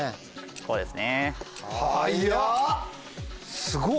こうですね。